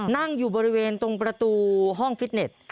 นั่งอยู่บริเวณตรงประตูห้องฟิตเน็ต